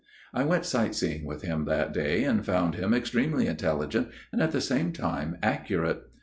I went sight seeing with him that day ; and found him extremely intelligent and at the same time accurate.